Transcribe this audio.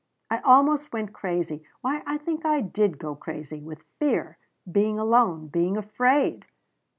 "I almost went crazy. Why I think I did go crazy with fear. Being alone. Being afraid."